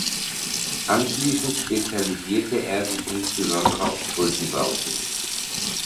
Anschließend spezialisierte er sich insbesondere auf Brückenbauten.